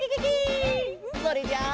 それじゃあ。